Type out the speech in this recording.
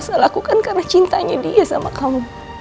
semua yang elsa lakukan karena cintanya dia sama kamu